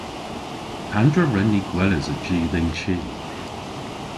Pandr'a wren ni gweles a-ji dhe'n chi?